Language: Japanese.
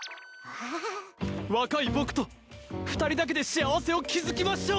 若い僕と二人だけで幸せを築きましょう！